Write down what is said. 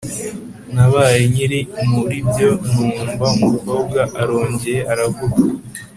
nabaye nkiri muribyo numva umukobwa arongeye aravuga